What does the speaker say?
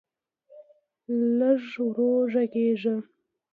لږ ورو غږېږه.